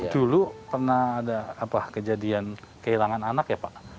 dulu pernah ada kejadian kehilangan anak ya pak